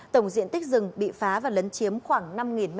tổng diện tích rừng bị phá và lấn chiếm khoảng năm m hai